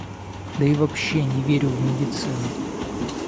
Да и вообще не верю в медицину.